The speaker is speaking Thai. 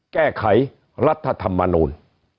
แก้ไขรัฐธรรมนูล